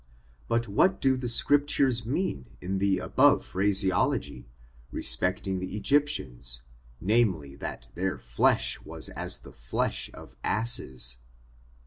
But what do the Scrip tures mean in the above phraseology, respecting the Egyptians, namely, that their Jlesh was as the flesh of asses